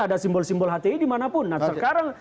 ada simbol simbol hti di manapun nah sekarang